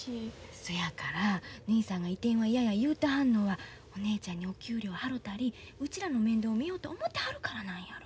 そやからぬひさんが移転は嫌や言うてはんのはお姉ちゃんにお給料払うたりうちらの面倒を見ようと思てはるからなんやろ？